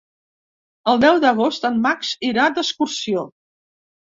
El deu d'agost en Max irà d'excursió.